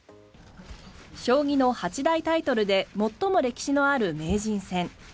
将棋の八大タイトルで最も歴史のある名人戦。